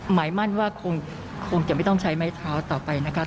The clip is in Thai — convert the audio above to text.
หมายมั่นว่าคงจะไม่ต้องใช้ไม้เท้าต่อไปนะคะ